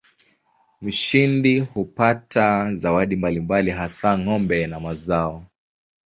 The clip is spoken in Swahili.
Mshindi hupata zawadi mbalimbali hasa ng'ombe na mazao.